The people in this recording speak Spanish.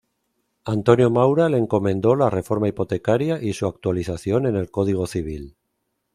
Antonio Maura le encomendó la reforma hipotecaria y su actualización en el Código Civil.